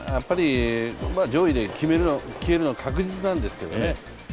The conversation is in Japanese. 上位で消えるのは確実なんですけどね。